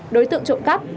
đối tượng trộm cắp